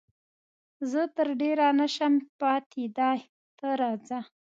زه تر ډېره نه شم پاتېدای، ته راځه.